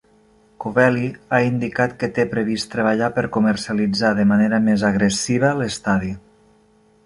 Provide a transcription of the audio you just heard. Covelli ha indicat que té previst treballar per comercialitzar de manera més agressiva l'estadi.